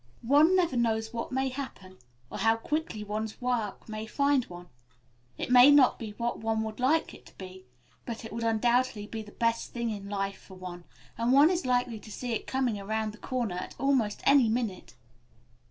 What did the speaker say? One never knows what may happen, or how quickly one's work may find one. It may not be what one would like it to be, but it will undoubtedly be the best thing in life for one, and one is likely to see it coming around the corner at almost any minute."